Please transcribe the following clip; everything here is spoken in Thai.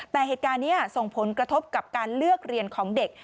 แต่เหตุการณ์นี้ส่งผลกระทบกับการเลือกเรียนของเด็ก